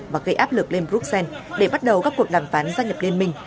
và gây áp lực lên bruxelles để bắt đầu các cuộc đàm phán gia nhập liên minh